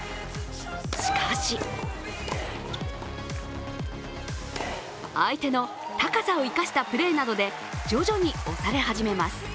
しかし相手の高さを生かしたプレーなどで徐々に押され始めます。